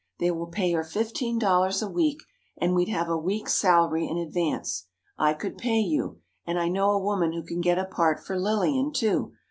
They will pay her fifteen dollars a week, and we'd have a week's salary in advance. I could pay you; and I know a woman who can get a part for Lillian, too.